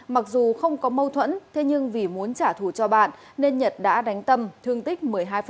mặc dù không có mâu thuẫn thế nhưng vì muốn trả thù cho bạn nên nhật đã đánh tâm thương tích một mươi hai